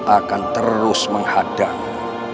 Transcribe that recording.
akan terus menghadangmu